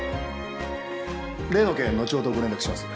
例の件後ほどご連絡します。